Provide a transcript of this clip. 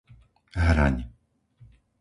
Hraň